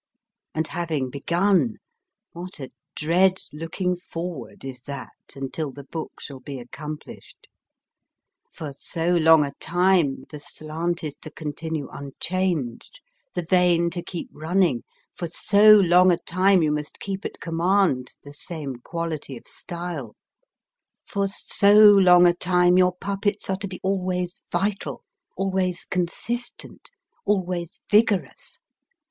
And having begun, what a dread looking forward is that until the book shall be accomplished ! For so long a time, the slant is to continue unchanged, the vein to keep running, for so long a time you must keep at command the same quality of style : for so long a time your puppets are to be always vital, always consistent, always vigorous